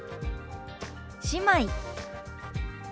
「姉妹」。